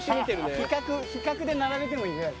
比較比較で並べてもいいぐらい。